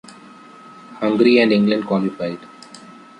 Hungary and England qualified.